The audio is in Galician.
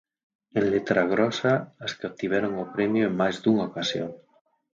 En letra grosa as que obtiveron o premio en máis dunha ocasión.